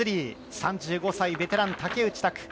３５歳、ベテラン・竹内択。